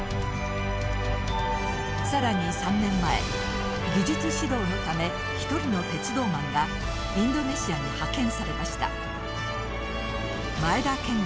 更に３年前技術指導のため一人の鉄道マンがインドネシアに派遣されました。